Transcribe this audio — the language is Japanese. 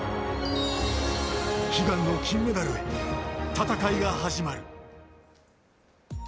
悲願の金メダルへ戦いが始まる。